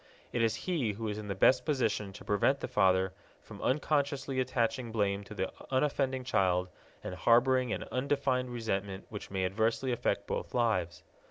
It is he who is in the best position to prevent the father from unconsciously attaching blame to the unoffending child and harboring an undefined resentment which may adversely affect both lives.